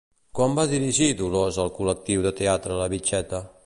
Quan va dirigir Dolors el Col·lectiu de Teatre La Vitxeta?